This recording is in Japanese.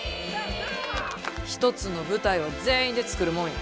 一つの舞台は全員で作るもんや。